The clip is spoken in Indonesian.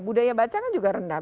budaya baca kan juga rendah